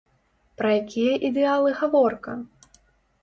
Пра якія ідэалы гаворка?